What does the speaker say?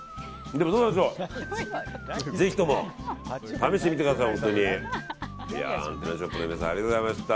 でも、ぜひとも試してみてください。